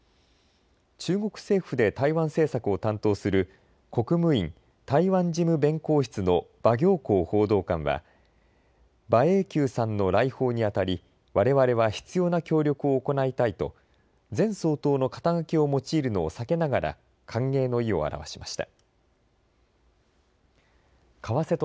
中国政府で台湾政策を担当する国務院台湾事務弁公室の馬暁光報道官は馬英九さんの来訪にあたりわれわれは必要な協力を行いたいと前総統の肩書を用いるのを避けながら歓迎の意を表しました。